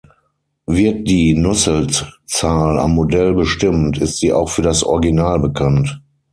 Wird die Nußelt-Zahl am Modell bestimmt, ist sie auch für das Original bekannt.